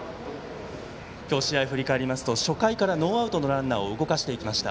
今日試合振り返りますと初回からノーアウトのランナー動かしていきました。